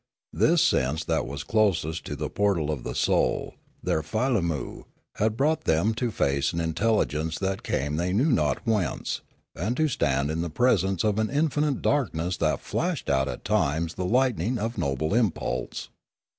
This sense that was closest to the portal of the soul, their filammu, had brought them to face an intelligence that came they knew not whence, and to stand in the presence of an infinite darkness that flashed out at times the lightning of noble impulse.